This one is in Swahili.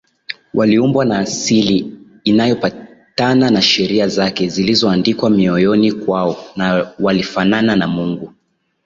Waliumbwa na asili inayopatana na Sheria zake zilizoandikwa Mioyoni kwao na walifanana na Mungu